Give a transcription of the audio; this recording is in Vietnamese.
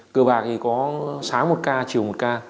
cửa bạc thì có sáng một k chiều một k